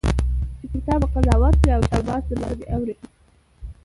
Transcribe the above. چي پر تا به قضاوت کړي او شاباس درباندي اوري